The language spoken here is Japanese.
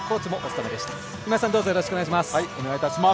よろしくお願いします。